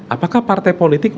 apakah partai politik